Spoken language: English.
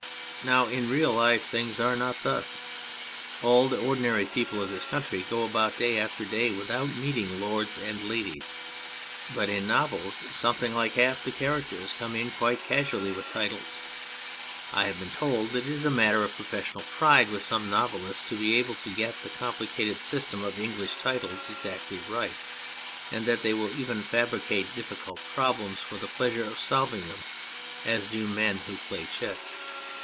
Now in real life things are not thus. All the ordinary people of this country go about day after day without meeting lords and ladies, but in novels something like half the characters come in quite casually with titles, and I have been told that it is a matter of professional pride with some novelists to be able to get the com plicated system of English titles exactly right, and that they will even fabricate difficult problems for the pleasure of solving them, as do men who play chess.